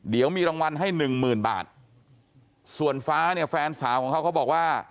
เดี๋ยวมีรางวัลให้หนึ่งหมื่นบาทส่วนฟ้าเนี่ยแฟนสาวของเขาเขาบอกว่า